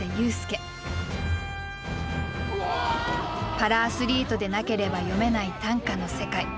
パラアスリートでなければ詠めない短歌の世界。